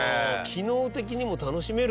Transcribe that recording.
機能的にも楽しめるんだ。